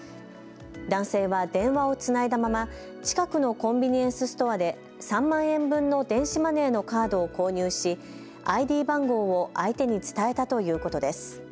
男性は電話をつないだまま近くのコンビニエンスストアで３万円分の電子マネーのカードを購入し、ＩＤ番号を相手に伝えたということです。